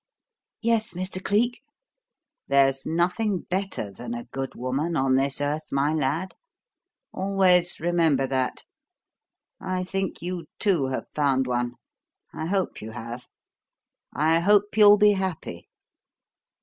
"Yes, Mr. Cleek?" "There's nothing better than a good woman on this earth, my lad. Always remember that. I think you, too, have found one. I hope you have. I hope you'll be happy.